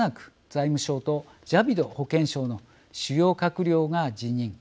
財務相とジャビド保健相の主要閣僚が辞任。